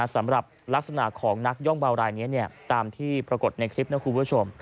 สำหรับลักษณะของนักย่องเบารายนี้ตามที่ปรากฏในคลิปนะคุณผู้ชม